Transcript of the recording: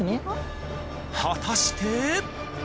果たして。